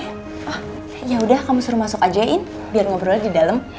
oh ya udah kamu suruh masuk aja in biar ngobrol di dalam